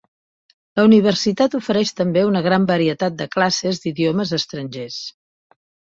La universitat ofereix també una gran varietat de classes d'idiomes estrangers.